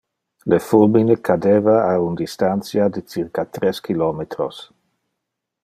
Le fulmine cadeva a un distantia de circa tres kilometros